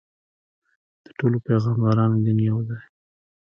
د ټولو پیغمبرانو دین یو دی.